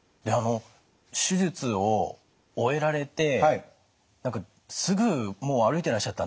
手術を終えられてすぐもう歩いてらっしゃったんですって？